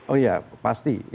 oh ya pasti